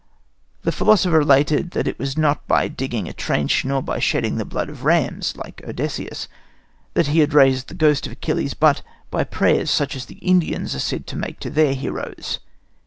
The philosopher related that it was not by digging a trench nor by shedding the blood of rams, like Odysseus, that he raised the ghost of Achilles; but by prayers such as the Indians are said to make to their heroes.